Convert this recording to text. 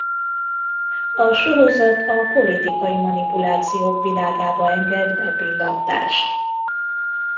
A sorozat a politikai manipulációk világába enged bepillantást.